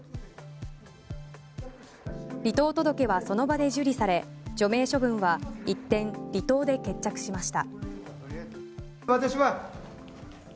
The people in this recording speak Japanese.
離党届はその場で受理され除名処分は一転離党で決着しました。